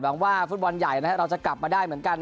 หวังว่าฟุตบอลใหญ่เราจะกลับมาได้เหมือนกัน